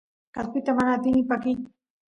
kaspita mana atini pakiy